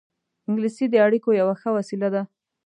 انګلیسي د اړیکو یوه ښه وسیله ده